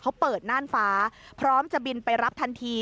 เขาเปิดน่านฟ้าพร้อมจะบินไปรับทันที